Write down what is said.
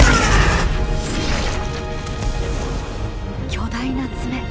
巨大な爪。